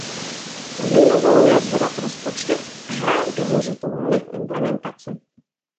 To jim dovoluje zvedat rozpočty a hrát důležitou roli v implementaci.